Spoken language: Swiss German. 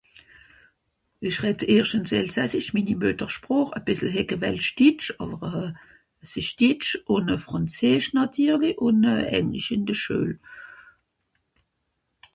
ìsch rett erscht ìns Elsassisch minni Mùtterschpràch à bìssel (heckewelsch) Ditsch àwer àss esch Ditsch ùn eu Franseesch nàtìrli ùn Englisch ìn de Schuel